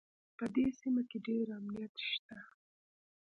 په دې سیمه کې ډېر امنیت شته